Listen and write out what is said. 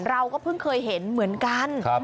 เราก็เพิ่งเคยเห็นเหมือนกัน